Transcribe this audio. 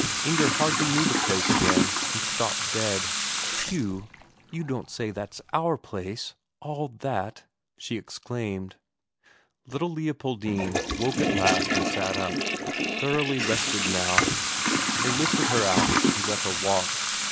Inger hardly knew the place again, and stopped dead. "You you don't say that's our place all that?" she exclaimed. Little Leopoldine woke at last and sat up, thoroughly rested now; they lifted her out and let her walk.